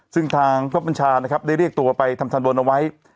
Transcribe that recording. ซึ่งทางพระบัญชานะครับได้เรียกตัวไปทำทันบนเอาไว้